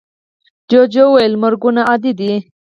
جوجو وویل مرگونه عادي دي.